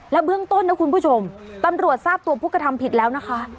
เบื้องต้นนะคุณผู้ชมตำรวจทราบตัวผู้กระทำผิดแล้วนะคะ